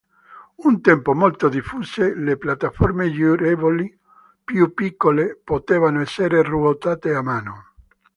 Un tempo molto diffuse, le piattaforme girevoli più piccole potevano essere ruotate a mano.